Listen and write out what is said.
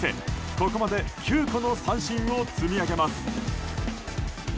ここまで９個の三振を積み上げます。